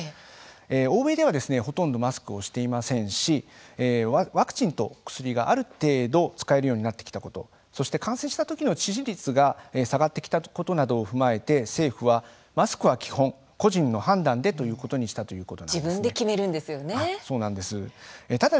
欧米では、ほとんどマスクをしていませんしワクチンと薬がある程度使えるようになってきたことそして、感染した時の致死率が下がってきたことなどを踏まえて政府は、マスクは基本個人の判断でということにした自分で決めるんですよね。